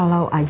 kalau aja rizky